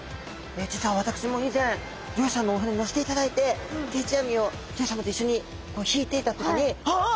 実は私も以前漁師さんのお船に乗せていただいて定置網を漁師さまと一緒に引いていた時にああ！